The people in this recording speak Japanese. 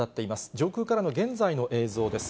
上空からの現在の映像です。